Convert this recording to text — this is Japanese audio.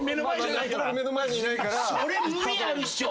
それ無理あるっしょ。